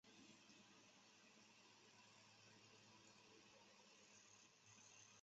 圣劳里教堂是一座位于芬兰洛赫亚的教堂。